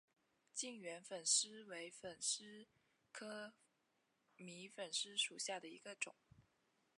近圆粉虱为粉虱科迷粉虱属下的一个种。